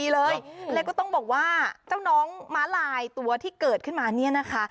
แล้วก็ต้องบอกว่าเจ้าน้องม้าลายตัวที่เกิดขึ้นมาเนี่ยนะคะ